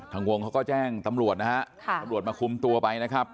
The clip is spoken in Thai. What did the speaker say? วงเขาก็แจ้งตำรวจนะฮะตำรวจมาคุมตัวไปนะครับ